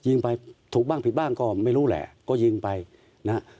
ยิงไปถูกบ้างผิดบ้างก็ไม่รู้แหละก็ยิงไปนะฮะ